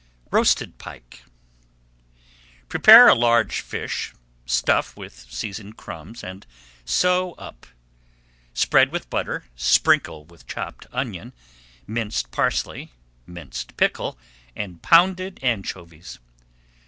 ROASTED PIKE Prepare a large fish, stuff with seasoned crumbs, and sew up. Spread with butter, sprinkle with chopped onion, minced parsley, minced pickle, and pounded anchovies.